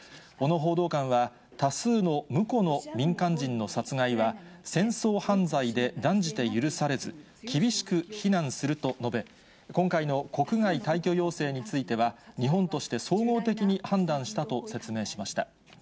小野報道官は、多数のむこの民間人の殺害は、戦争犯罪で、断じて許されず、厳しく非難すると述べ、今回の国外退去要請については、日本として総合的に判断したと説明しました。